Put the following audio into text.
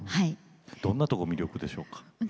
どんなところが魅力でしょうか？